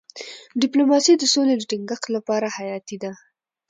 ډيپلوماسي د سولې د ټینګښت لپاره حیاتي ده.